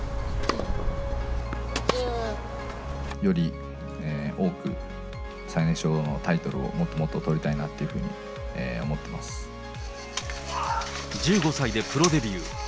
より多く、最年少のタイトルをもっともっと取りたいなっていうふうに思って１５歳でプロデビュー。